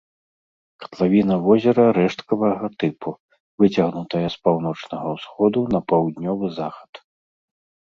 Катлавіна возера рэшткавага тыпу, выцягнутая з паўночнага ўсходу на паўднёвы захад.